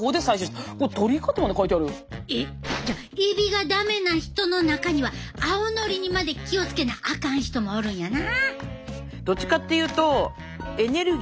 えっじゃあえびが駄目な人の中には青のりにまで気を付けなあかん人もおるんやな。